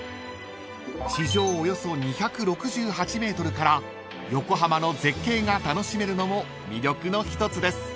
［地上およそ２６８ｍから横浜の絶景が楽しめるのも魅力の一つです］